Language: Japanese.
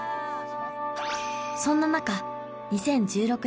そんな中２０１６年